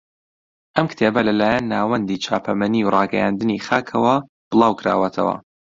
ئەم کتێبە لەلایەن ناوەندی چاپەمەنی و ڕاگەیاندنی خاکەوە بڵاو کراوەتەوە